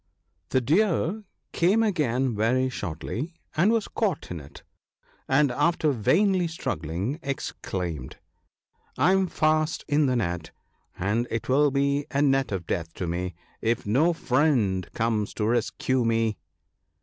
The Deer came again very shortly, and was caught in it, and (after vainly struggling) exclaimed, " I am fast in the net, and it will be a net of death to me if no friend comes to rescue me